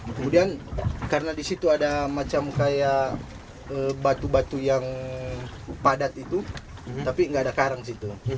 kemudian karena di situ ada macam kayak batu batu yang padat itu tapi nggak ada karang situ